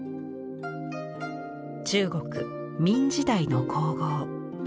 中国明時代の香合。